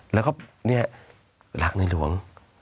แล้วก็เนี่ยรักในหลวง